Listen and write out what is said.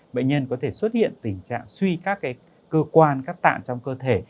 bệnh nhân có thể xuất hiện tình trạng suy các cơ quan các tạng trong cơ thể